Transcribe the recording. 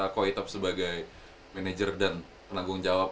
ko itap sebagai manager dan penanggung jawab